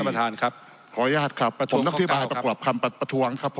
ขออนุญาตครับคุณผู้อภิปรายต้องก้อประกอบคำประถวงครับ